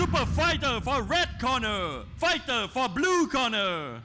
วางแผนทุกวันจันทร์